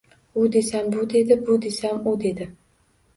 U desam bu dedi, bu desam u dedi